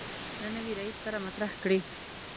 له نوي رئیس سره مطرح کړي.